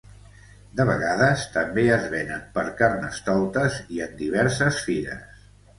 De vegades també es venen per carnestoltes i en diverses fires.